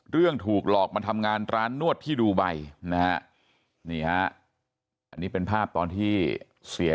เรื่องถูกหลอกมาทำงานร้านนวดที่ดูไบนี่เป็นภาพตอนที่เสีย